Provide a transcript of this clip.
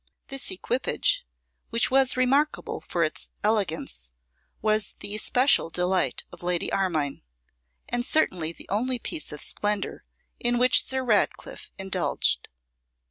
This equipage, which was remarkable for its elegance, was the especial delight of Lady Armine, and certainly the only piece of splendour in which Sir Ratcliffe indulged.